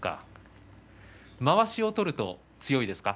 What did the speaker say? まわしを取ると強いですか？